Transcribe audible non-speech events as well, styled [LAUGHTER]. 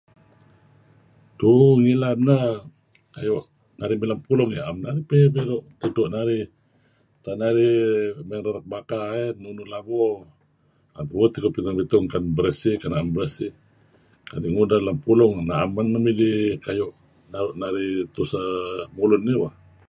Tu'uh ngilad neh kayu narih mey lem pulung, 'am narih [UNINTELLIGIBLE] tidtu' narih, tak narih mey ngererek baka eh nunuh labo, 'am tebuut teh narih beritung bersih kah na'em bersih kadi' ngudeh lem pulung na'em men nuk midih naru' narih kayu' tuseh mulun dih bah.